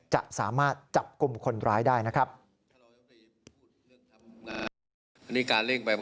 จะสามารถจับกลุ่มคนร้ายได้นะครับ